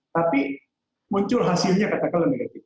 tapi muncul hasilnya kata kata lebih negatif